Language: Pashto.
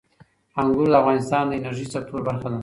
انګور د افغانستان د انرژۍ سکتور برخه ده.